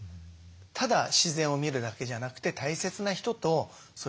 ただ自然を見るだけじゃなくて大切な人とそれを一緒に見れる。